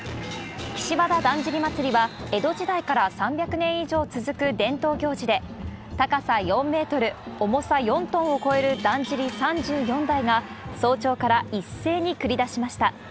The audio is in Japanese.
岸和田だんじり祭は、江戸時代から３００年以上続く伝統行事で、高さ４メートル、重さ４トンを超えるだんじり３４台が、早朝から一斉に繰り出しました。